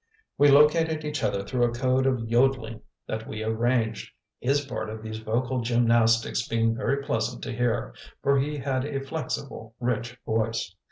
We located each other through a code of yodeling that we arranged; his part of these vocal gymnastics being very pleasant to hear, for he had a flexible, rich voice.